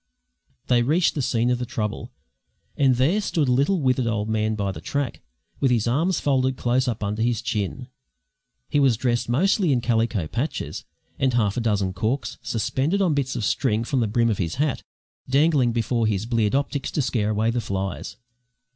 They reached the scene of the trouble, and there stood a little withered old man by the track, with his arms folded close up under his chin; he was dressed mostly in calico patches; and half a dozen corks, suspended on bits of string from the brim of his hat, dangled before his bleared optics to scare away the flies.